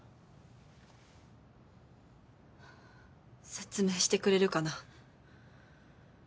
説明してくれるかな。